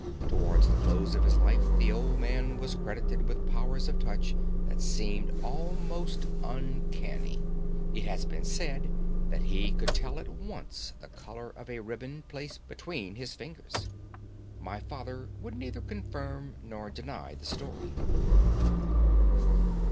Towards the close of his life the old man was credited with powers of touch that seemed almost uncanny: it has been said that he could tell at once the color of a ribbon placed between his fingers. My father would neither confirm nor deny the story.